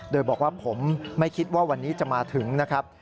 โดยบอกว่าผมไม่คิดว่าวันนี้จะมาถึงนะครับ